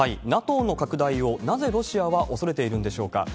ＮＡＴＯの拡大を、なぜロシアは恐れているんでしょうか。